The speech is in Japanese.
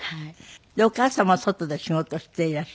お母様は外で仕事をしていらして。